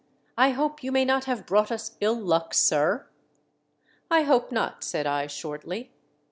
I hope you may not have brought us ill luck, sir !"" I hope not," said I, shortly.